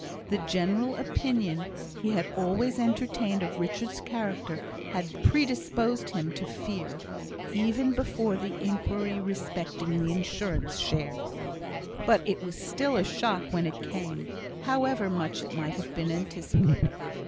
The general opinion he had always entertained of Richard's character had predisposed him to fear, even before the inquiry respecting the Insurance shares. But it was still a shock when it came, however much it might have been anticipated.